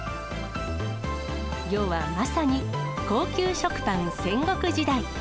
世はまさに、高級食パン戦国時代。